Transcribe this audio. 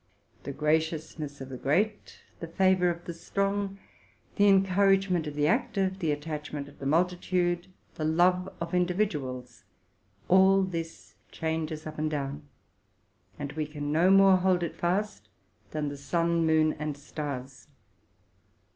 The graciousness of the great, the favor of the strong, the encouragement of the active, the attachment of the multitude, the love of individuals, — all this changes up and down; and we can no more hold it fast than the sun, moon, and stars.